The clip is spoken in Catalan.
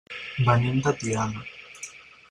Venim de Tiana.